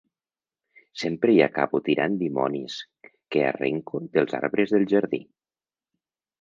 Sempre hi acabo tirant dimonis que arrenco dels arbres del jardí.